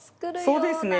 そうですね。